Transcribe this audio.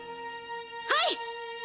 はい！